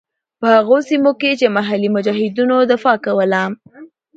په هغو سیمو کې چې محلي مجاهدینو دفاع کوله.